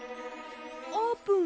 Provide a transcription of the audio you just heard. あーぷん